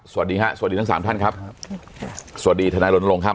สวัสดีฮะสวัสดีทั้งสามท่านครับสวัสดีทนายรณรงค์ครับ